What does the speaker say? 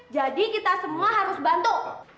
jadi kita semua harus bantu